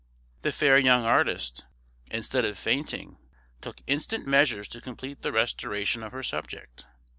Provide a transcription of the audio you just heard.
The fair young artist, instead of fainting, took instant measures to complete the restoration of her subject.